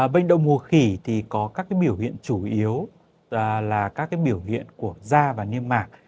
bệnh động mùa khỉ thì có các cái biểu hiện chủ yếu là các cái biểu hiện của da và nhiên mạc